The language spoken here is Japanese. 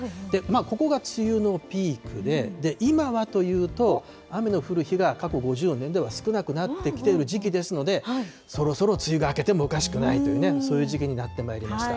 ここが梅雨のピークで、今はというと、雨の降る日が過去５０年では少なくなってきている時期ですので、そろそろ梅雨が明けてもおかしくないという、そういう時期になってまいりました。